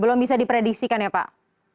belum bisa diprediksikan ya pak